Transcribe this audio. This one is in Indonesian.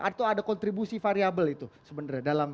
atau ada kontribusi variabelnya